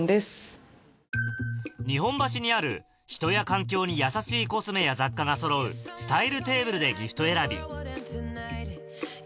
日本橋にある人や環境に優しいコスメや雑貨がそろう「ｓｔｙｌｅｔａｂｌｅ」でギフト選び